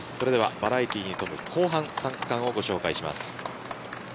バラエティーに富む後半３区間をご紹介します。